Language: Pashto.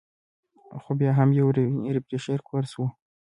خو بيا هم يو ريفرېشر کورس وۀ -